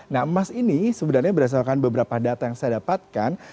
nah emas ini sebenarnya berdasarkan beberapa data yang saya dapatkan